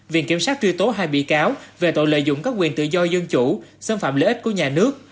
viện kiểm sát truy tố hai bị cáo về tội lợi dụng các quyền tự do dân chủ xâm phạm lợi ích của nhà nước